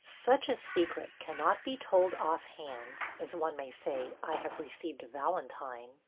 Such a secret cannot be told offhand, as one may say " I have re ceived a valentine."